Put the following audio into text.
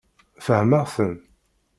Fehmeɣ-ten.